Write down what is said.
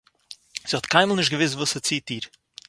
זי האָט קיינמאָל נישט געוואוסט וואָס ס'ציט איר